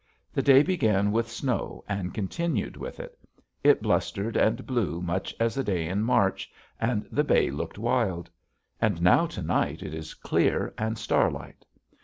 The day began with snow and continued with it. It blustered and blew much as a day in March and the bay looked wild. And now to night it is clear and starlight.